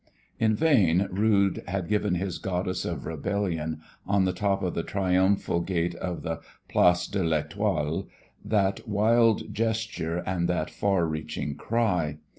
In vain Rude had given his Goddess of Rebellion on the top of the triumphal gate of the Place de L'Étoile that wild gesture and that far reaching cry.